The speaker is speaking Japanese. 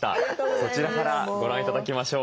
こちらからご覧頂きましょう。